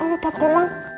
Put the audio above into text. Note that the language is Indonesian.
mas al udah pulang